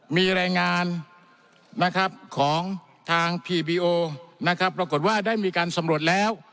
มีรายงานของทางพีบีโอปรากฏว่าได้มีการสำรวจแล้ว